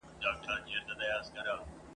داسي ډېر کسان پردي غمونه ژاړي !.